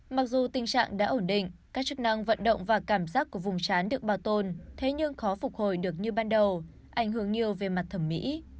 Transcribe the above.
mặc dù tình trạng đã ổn định các chức năng vận động và cảm giác của vùng chán được bảo tồn thế nhưng khó phục hồi được như ban đầu ảnh hưởng nhiều về mặt thẩm mỹ